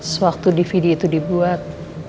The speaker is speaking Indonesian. sewaktu dvd itu dibuat